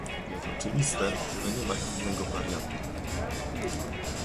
Jest oczywiste, że nie ma innego wariantu